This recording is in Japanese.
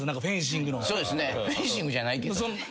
フェンシングじゃないけど。